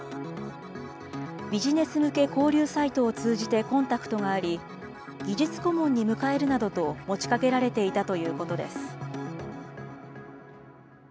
ビジネス向け交流サイトを通じてコンタクトがあり、技術顧問に迎えるなどと持ちかけられていたということです。